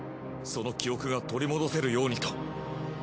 その記憶が取り戻せるようにと。